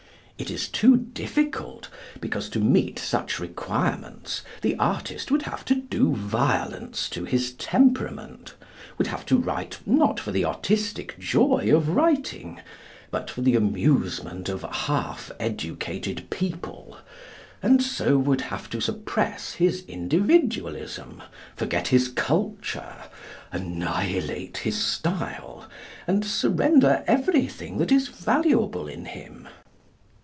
It is too difficult, because to meet such requirements the artist would have to do violence to his temperament, would have to write not for the artistic joy of writing, but for the amusement of half educated people, and so would have to suppress his individualism, forget his culture, annihilate his style, and surrender everything that is valuable in him.